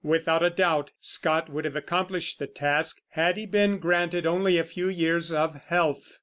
Without a doubt Scott would have accomplished the task, had he been granted only a few years of health.